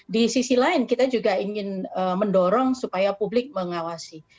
di sisi lain kita juga ingin mendorong supaya publik mengawasi